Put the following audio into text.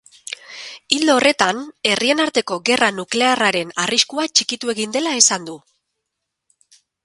Ildo horretan, herrien arteko gerra nuklearraren arriskua txikitu egin dela esan du.